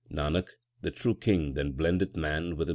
Nanak, the true King then blendeth man with Himself.